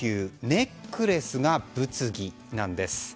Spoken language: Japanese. ネックレスが物議なんです。